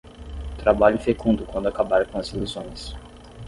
trabalho fecundo quando acabar com as ilusões